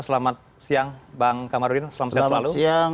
selamat siang bang kamarudin selamat siang selalu